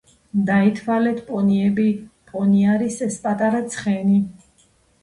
დაითვალეთ პონიები. პონი არის ეს პატარა ცხენი.